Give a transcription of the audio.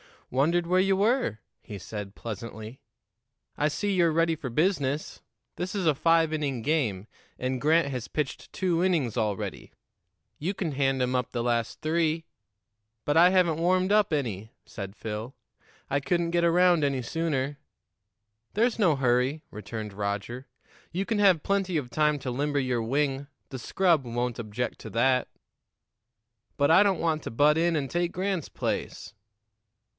"Wondered where you were," he said pleasantly. "I see you're ready for business. This is a five inning game, and Grant has pitched two innings already; you can hand 'em up the last three." "But I haven't warmed up any," said Phil. "I couldn't get around any sooner." "There's no hurry," returned Roger. "You can have plenty of time to limber your wing; the scrub won't object to that." "But I don't want to butt in and take Grant's place."